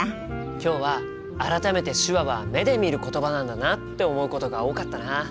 今日は改めて手話は目で見る言葉なんだなって思うことが多かったな。